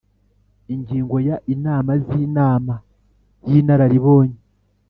Ingingo ya Inama z Inama y Inararibonye